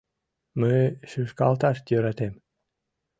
Мый шӱшкалташ йӧратем.